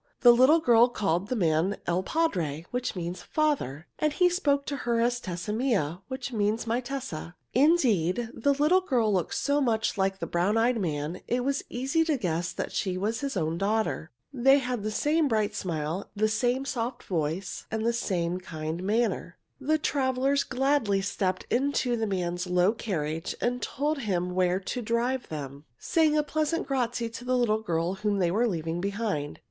The little girl called the man il padre, which means "father," and he spoke to her as Tessa mia, which means "my Tessa." Indeed, the little girl looked so much like the brown eyed man, it was easy to guess that she was his own little daughter. They had the same bright smile, the same soft voice, and the same kind manner. [Illustration: They each took a big brown penny out of their bags] The travelers gladly stepped into the man's low carriage and told him where to drive them, saying a pleasant grazie to the little girl whom they were leaving behind.